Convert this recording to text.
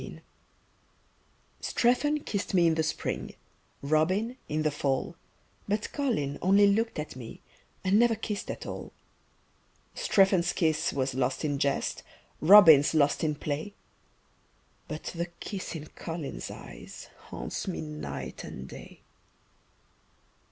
THE LOOK STREPHON kissed me in the spring, Robin in the fall, But Colin only looked at me And never kissed at all. Strephon's kiss was lost in jest, Robin's lost in play, But the kiss in Colin's eyes Haunts me night and day.